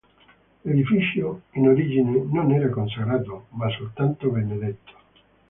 L'edificio, in origine, non era consacrato ma soltanto benedetto.